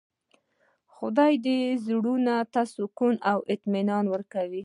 د خدای یاد زړونو ته سکون او اطمینان ورکوي.